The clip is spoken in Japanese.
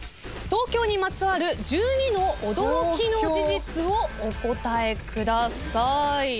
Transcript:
東京にまつわる１２の驚きの事実をお答えください。